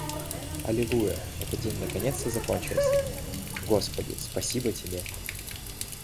Аллилуйя, этот день наконец-то закончился! Господи, спасибо тебе!